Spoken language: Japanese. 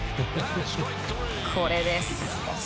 これです。